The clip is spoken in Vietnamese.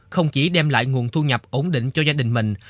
không chỉ đem lại nguồn thu nhập ổn định cho gia đình mình